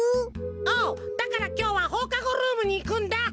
おうだからきょうはほうかごルームにいくんだ。